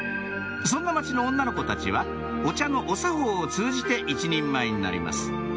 そんな町の女の子たちはお茶のお作法を通じて一人前になります